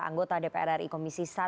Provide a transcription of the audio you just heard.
anggota dpr ri komisi satu